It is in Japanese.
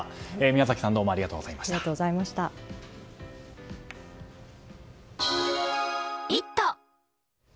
宮崎さんありがとうございました。